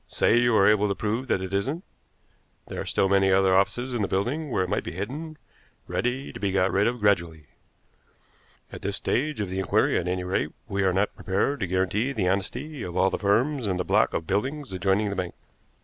Say you are able to prove that it isn't, there are still many other offices in the building where it might be hidden, ready to be got rid of gradually. At this stage of the inquiry, at any rate, we are not prepared to guarantee the honesty of all the firms in the block of buildings adjoining the bank."